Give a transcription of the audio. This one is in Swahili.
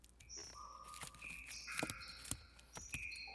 Anajua kuongea kwa kiswahili